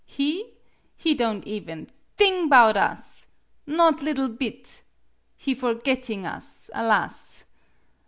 He ? He don' even thing 'bout it! Not liddle bit! He forgitting us alas!